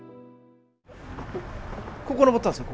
ここのぼったんですよ